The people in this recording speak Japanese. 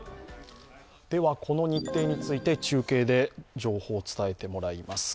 この日程について、中継で情報を伝えてもらいます。